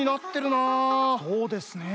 そうですねえ。